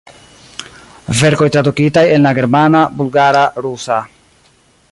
Verkoj tradukitaj en la germana, bulgara, rusa.